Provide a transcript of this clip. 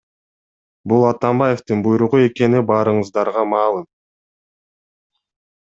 Бул Атамбаевдин буйругу экени баарыңыздарга маалым .